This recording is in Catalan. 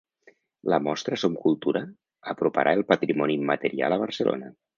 La mostra Som Cultura aproparà el patrimoni immaterial a Barcelona